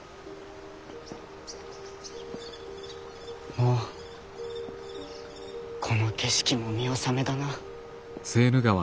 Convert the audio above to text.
もうこの景色も見納めだな。